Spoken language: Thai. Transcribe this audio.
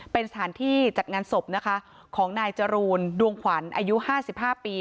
เป็นสถานที่จัดงานศพนะคะของนายจรูนดวงขวัญอายุ๕๕ปี